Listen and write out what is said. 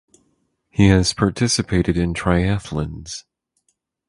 He has participated in triathlons.